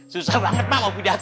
susah banget pak mau pidato